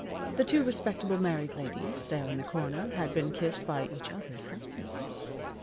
The two respectable married ladies there in the corner had been kissed by each other's husbands.